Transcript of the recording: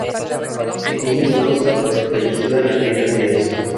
Dedicó su triunfo a su padre, fallecido en aquellos días.